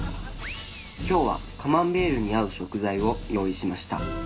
今日はカマンベールに合う食材を用意しました。